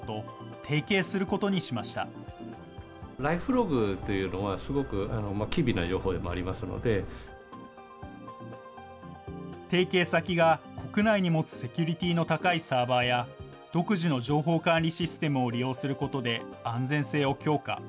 提携先が国内に持つセキュリティーの高いサーバーや、独自の情報管理システムを利用することで安全性を強化。